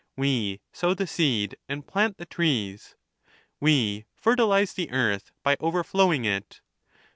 We sow the seed, and plant the trees. We fertilize the earth by overflow ing it.